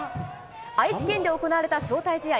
愛知県で行われた招待試合。